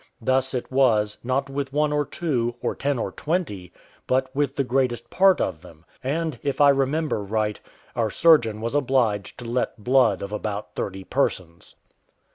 Thus it was, not with one or two, or ten or twenty, but with the greatest part of them; and, if I remember right, our surgeon was obliged to let blood of about thirty persons.